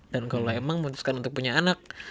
dan kalau emang memutuskan untuk punya anak